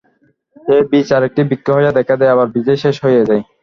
সেই বীজ আর একটি বৃক্ষ হইয়া দেখা দেয়, আবার বীজেই শেষ হইয়া যায়।